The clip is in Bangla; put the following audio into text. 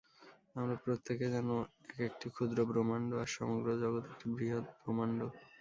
আমরা প্রত্যেকে যেন এক একটি ক্ষুদ্র ব্রহ্মাণ্ড, আর সমগ্র জগৎ একটি বৃহৎ ব্রহ্মাণ্ড।